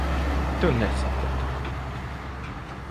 Tu nesaprati.